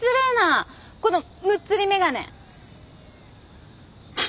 このむっつり眼鏡。